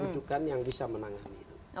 rujukan yang bisa menangani itu